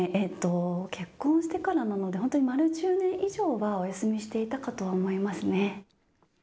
結婚してからなので丸１０年以上はお休みしていたかと思いますね。